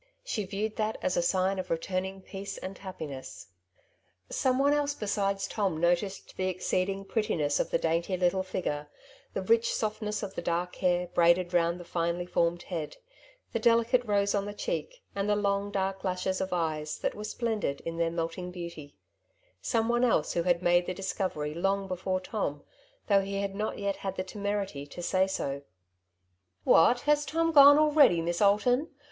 She viewed that as a sign of returning peace and happiness. Someone else besides Tom noticed the exceeding prettiness of the dainty little figure, the rich softness i6o " Two Sides to every Question J* of the dark hair braided round the finely formed head, the delicate rose on the cheek, and the long dark lashes of eyes that were splendid in their melt ing beauty — some one else who had made the dis covery long before Tom, though he had not yet had the temerity to say so. "What, has Tom gone already. Miss Alton